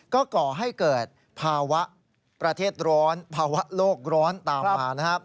ก็ก่อให้เกิดภาวะประเทศร้อนภาวะโลกร้อนตามมานะครับ